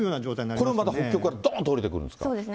これがまた北極からどーんと下りてくるんですか。